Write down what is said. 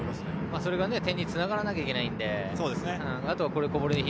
それが点につながらなきゃいけないので。